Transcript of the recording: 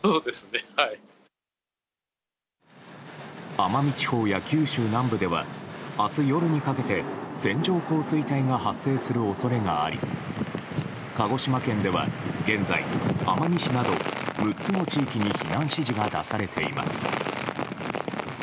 奄美地方や九州南部では明日夜にかけて線状降水帯が発生する恐れがあり鹿児島県では、現在奄美市など６つの地域に避難指示が出されています。